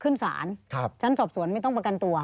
ขึ้นศาลชั้นสอบสวนไม่ต้องประกันตัว